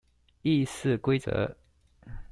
議事規則